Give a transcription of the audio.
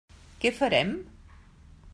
Què farem?